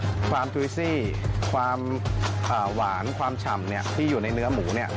ความจุยซี่ความหวานความฉ่ำที่อยู่ในเนื้อหมูเนี่ย